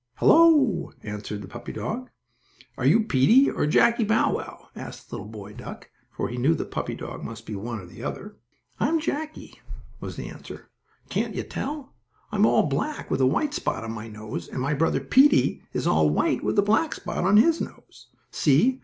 "Hello!" answered the puppy dog. "Are you Peetie or Jackie Bow Wow?" asked the little boy duck, for he knew the puppy dog must be one or the other. "I'm Jackie," was the answer. "Can't you tell? I'm all black with a white spot on my nose, and my brother, Peetie, is all white with a black spot on his nose. See?